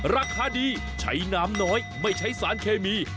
ราคาดีใช้น้ำน้อยไม่ใช้สารเคมี